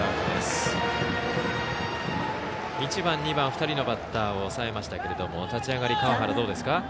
１番、２番、２人のバッターを抑えましたけれども立ち上がり、川原いかがですか。